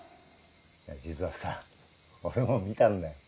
実はさ俺も見たんだよ。